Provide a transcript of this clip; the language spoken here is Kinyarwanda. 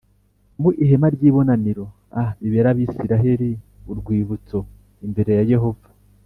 mu ihema ry ibonaniro a bibere Abisirayeli urwibutso imbere ya Yehova